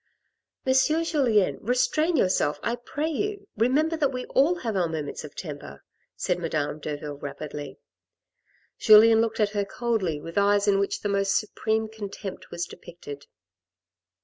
"Monsieur Julien, restrain yourself, I pray you. Remember that we all have our moments of temper," said madame Derville rapidly. Julien looked at her coldly with eyes in which the most supreme contempt was depicted.